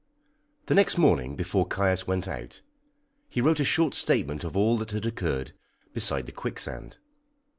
The next morning, before Caius went out, he wrote a short statement of all that had occurred beside the quicksand.